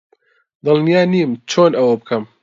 دڵنیا نیم چۆن ئەوە بکەم.